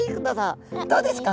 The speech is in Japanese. どうですか？